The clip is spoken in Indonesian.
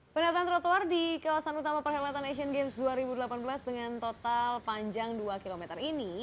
penataan trotoar di kawasan utama perhelatan asian games dua ribu delapan belas dengan total panjang dua km ini